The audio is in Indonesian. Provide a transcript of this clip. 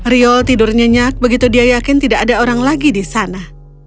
riol tidur nyenyak begitu dia yakin tidak ada orang lagi di sana